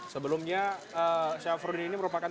sebelumnya syafruddin ini merupakan